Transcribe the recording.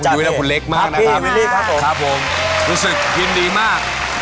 คุณยุ้ยแล้วคุณเล็กมากนะครับครับผมรู้สึกพิมพ์ดีมาก